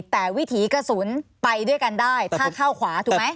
แต่วิถีกระสุนไปด้วยกันได้ถ้าเข้าขวาถูกไหม